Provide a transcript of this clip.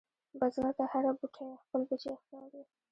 بزګر ته هره بوټۍ خپل بچی ښکاري